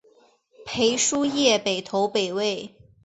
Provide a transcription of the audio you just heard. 裴叔业北投北魏。